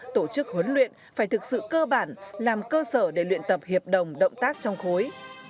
tổ chức huấn luyện phải thực sự cơ bản làm cơ sở để luyện tập hiệp đồng động tác trong khối